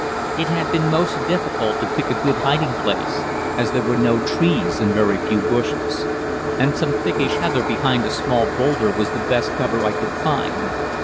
It had been most difficult to pick a good hiding place, as there were no trees and very few bushes; and some thickish heather behind a small boulder was the best cover I could find.